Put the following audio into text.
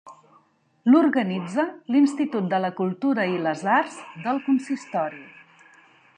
L'organitza l'Institut de la Cultura i les Arts del consistori.